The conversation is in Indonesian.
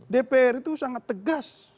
dpr itu sangat tegas